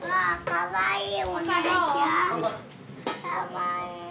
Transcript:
かわいい。